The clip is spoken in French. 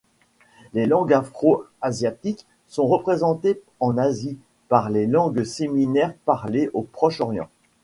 Les langues afro-asiatiques sont représentées en Asie par les langues sémitiques parlées au Proche-Orient.